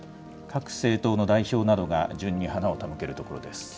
各政党の代表などが順に花を手向けるところです。